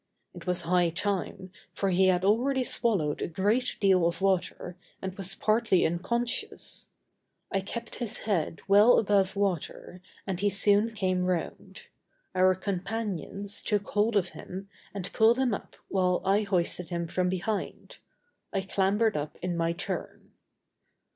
It was high time, for he had already swallowed a great deal of water and was partly unconscious. I kept his head well above water and he soon came round. Our companions took hold of him and pulled him up while I hoisted him from behind. I clambered up in my turn.